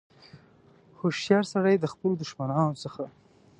هوښیار سړي د خپلو دښمنانو څخه.